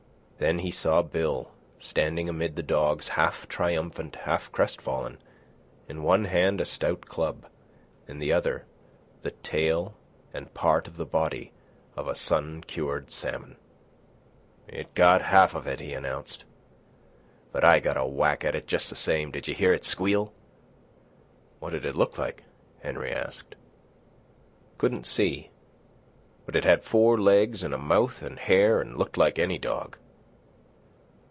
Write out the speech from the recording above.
Then he saw Bill, standing amid the dogs, half triumphant, half crestfallen, in one hand a stout club, in the other the tail and part of the body of a sun cured salmon. "It got half of it," he announced; "but I got a whack at it jes' the same. D'ye hear it squeal?" "What'd it look like?" Henry asked. "Couldn't see. But it had four legs an' a mouth an' hair an' looked like any dog."